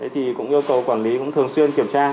thì cũng yêu cầu quản lý cũng thường xuyên kiểm tra